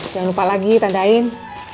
jangan lupa lagi tandain